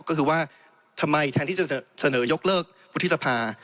ก็คือว่าทำไมแทนที่จะเสนอยกเลิกวุฒิสภา